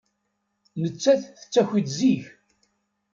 Nettat tettaki-d zik.